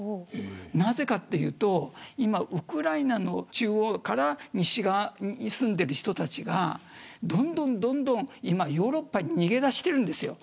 なぜかというと今ウクライナの中央から西側に住んでいる人たちがどんどんヨーロッパに逃げ出しています。